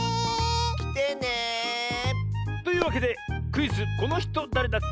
きてね！というわけでクイズ「このひとだれだっけ？」